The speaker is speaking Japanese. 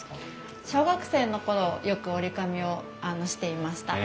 小学生の頃よく折り込みをしていました。